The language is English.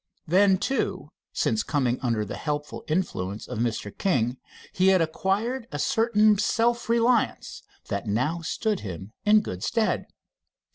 Then, too, since coming under the helpful influence of Mr. King, he had acquired a certain self reliance that now stood him in good stead.